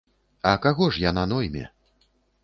А каго ж яна нойме?